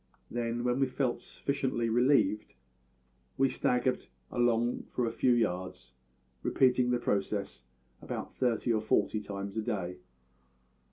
Then, when we felt sufficiently relieved, we staggered along for a few yards, repeating the process about thirty or forty times a day.